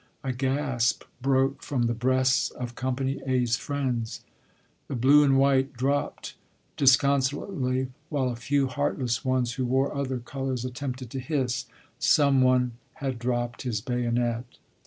A gasp broke from the breasts of company "A's" friends. The blue and white dropped disconsolately, while a few heartless ones who wore other colors attempted to hiss. Someone had dropped his bayonet.